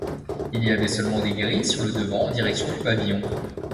Il y avait seulement des grilles sur le devant en direction du pavillon.